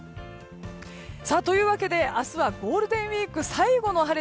というわけで、明日はゴールデンウィーク最後の晴れ。